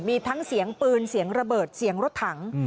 มีทั้งเสียงปืนเสียงระเบิดเสียงรถถัง